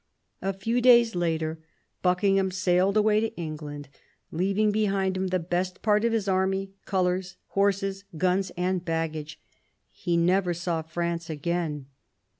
A few days later Buckingham sailed away to England, leaving behind him the best part of his army, colours, horses, guns, and baggage. He never saw France again.